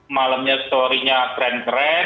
malamnya storynya keren keren